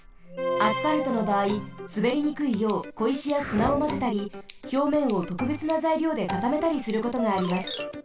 アスファルトのばあいすべりにくいようこいしやすなをまぜたりひょうめんをとくべつなざいりょうでかためたりすることがあります。